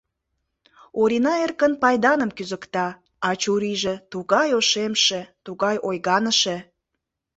Орина эркын пайданым кӱзыкта, а чурийже тугай ошемше, тугай ойганыше!